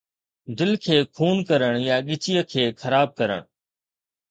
دل کي خون ڪرڻ يا ڳچيء کي خراب ڪرڻ